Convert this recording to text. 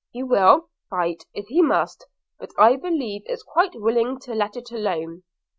– 'He will fight, if he must – but I believe is quite as willing to let it alone.'